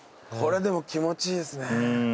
これでも気持ちいいですね。